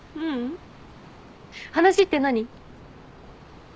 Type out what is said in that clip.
話って何？